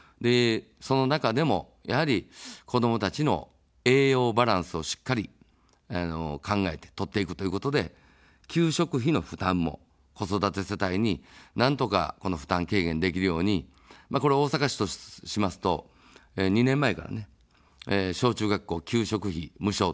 その中でも、やはり子どもたちの栄養バランスをしっかり考えて、摂っていくということで、給食費の負担も子育て世帯になんとか負担軽減できるように、これは大阪市としますと２年前から、小中学校、給食費無償と。